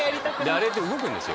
あれって動くんです